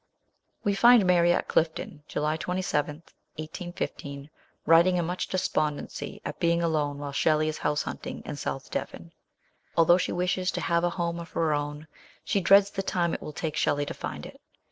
We next find Mary at Clifton, July 27, 1815, writing in much despondency at being alone while Shelley is house hunting in South Devon. Although she wishes to have a home of her own, she dreads the time it will take Shelley to find it.